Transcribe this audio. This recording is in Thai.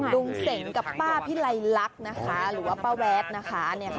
ลุงเส่งกับป้าพิไรรักนะคะหรือว่าป้าแวดนะคะเนี่ยค่ะ